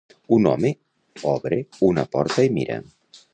Un home obre una porta i mira.